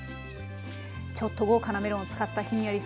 ちょっと豪華なメロンを使ったひんやり